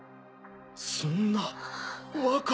そんな若。